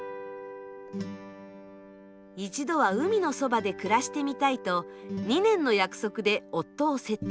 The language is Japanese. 一度は海のそばで暮らしてみたいと２年の約束で夫を説得。